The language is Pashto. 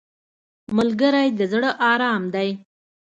ملګری د زړه ارام دی